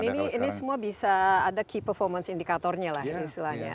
dan ini semua bisa ada key performance indikatornya lah istilahnya